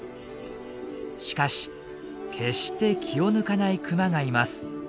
しかし決して気を抜かないクマがいます。